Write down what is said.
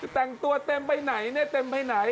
แต่งตัวเต็มไปไหนเนี่ยเต็มไปไหน